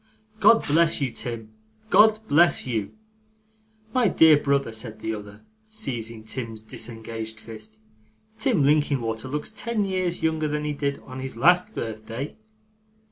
God bless you, Tim! God bless you!' 'My dear brother,' said the other, seizing Tim's disengaged fist, 'Tim Linkinwater looks ten years younger than he did on his last birthday.